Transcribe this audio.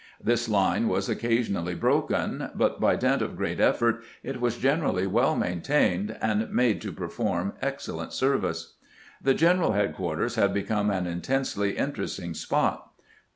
■ This line was occasionally broken, but by dint of great effort it was generally well maintained and made to perform excellent service. The general headquarters had become an intensely interesting spot.